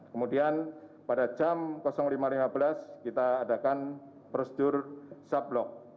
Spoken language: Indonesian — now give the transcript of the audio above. kemudian pada jam lima lima belas kita adakan prosedur sublock